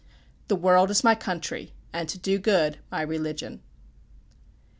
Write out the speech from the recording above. "The world is my Country, and to do good my Religion."